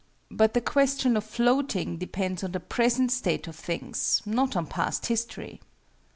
But the question of floating depends on the present state of things, not on past history.